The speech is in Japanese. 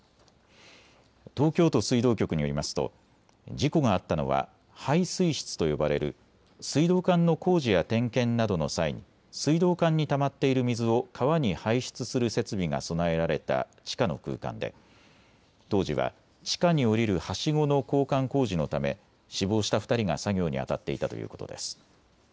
東京都水道局によりますと事故があったのは排水室と呼ばれる水道管の工事や点検などの際に水道管にたまっている水を川に排出する設備が備えられた地下の空間で当時は地下に降りるはしごの交換工事のため死亡した２人が作業にあたっていたということです。